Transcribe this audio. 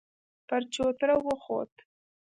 پر چوتره وخوت.